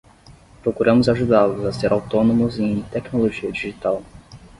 Procuramos ajudá-los a ser autônomos em tecnologia digital.